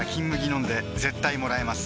飲んで絶対もらえます